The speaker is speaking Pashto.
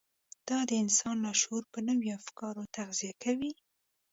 دا د انسان لاشعور په نويو افکارو تغذيه کوي.